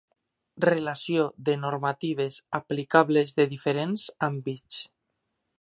Relació de normatives aplicables de diferents àmbits.